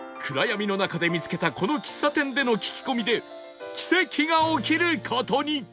暗闇の中で見つけたこの喫茶店での聞き込みで奇跡が起きる事に